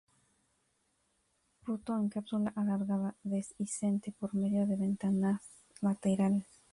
Fruto en cápsula alargada, dehiscente por medio de ventanas laterales.